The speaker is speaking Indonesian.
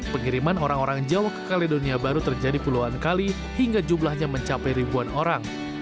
pengiriman orang orang jawa ke kaledonia baru terjadi puluhan kali hingga jumlahnya mencapai ribuan orang